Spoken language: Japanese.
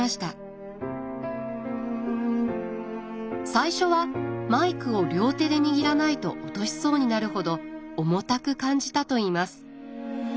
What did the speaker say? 最初はマイクを両手で握らないと落としそうになるほど重たく感じたといいます。